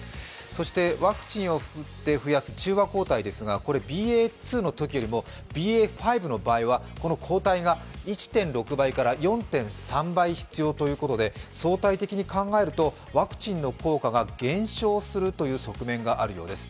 そしてワクチンを打って増やす中和抗体ですが、ＢＡ．２のときよりもＢＡ．５の方が抗体が１．６倍から４．３倍必要ということで相対的に考えると、ワクチンの効果が減少するという側面があるようです。